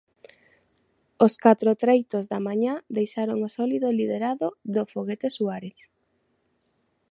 Os catro treitos da mañá deixaron o sólido liderado do Foguete Suárez.